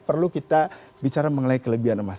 perlu kita bicara mengenai kelebihan emas